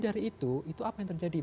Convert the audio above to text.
dari itu itu apa yang terjadi